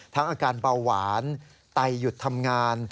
อาการเบาหวานไตหยุดทำงาน